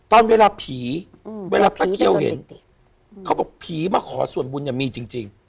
ตอนเวลาผีอืมเวลาป๊าเกี๊ยวเห็นเขาบอกผีมาขอส่วนบุญอย่างมีจริงจริง